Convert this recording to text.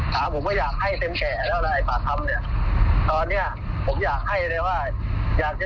ค่อนข้างมั่นใจเลยใช่ไหมพี่